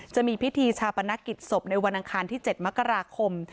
จะมีพิธีชาปนกิจศพในวันอังคารที่๗มกราคม